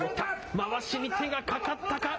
まわしに手がかかったか。